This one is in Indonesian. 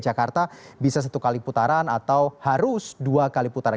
jakarta bisa satu kali putaran atau harus dua kali putaran